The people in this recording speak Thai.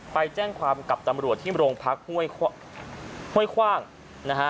ไปแจ้งความกับตำรวจที่โรงพักห้วยคว่างนะฮะ